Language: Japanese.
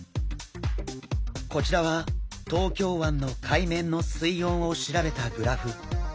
こちらは東京湾の海面の水温を調べたグラフ。